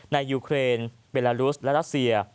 ในยูเครนเปลลารุสและรัสเซีย